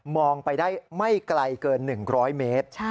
องไปได้ไม่ไกลเกิน๑๐๐เมตร